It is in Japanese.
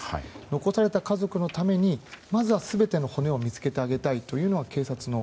残された家族のためにまずは全ての骨を見つけてあげたいというのが警察の。